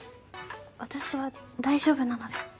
私は大丈夫なので。